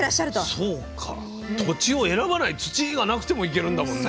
そうか土地を選ばない土がなくてもいけるんだもんね。